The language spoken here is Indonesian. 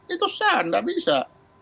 itu sah tidak bisa